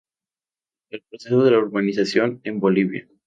El proceso de la urbanización en Bolivia